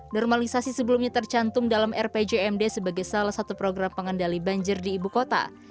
normalisasi sebelumnya tercantum dalam rpjmd sebagai salah satu program pengendali banjir di ibu kota